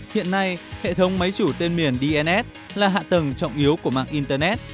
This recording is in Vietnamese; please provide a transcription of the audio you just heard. hiện nay hệ thống máy chủ tên miền dns là hạ tầng trọng yếu của mạng internet